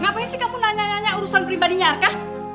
ngapain sih kamu nanya nanya urusan pribadinya arka